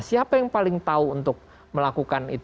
siapa yang paling tahu untuk melakukan itu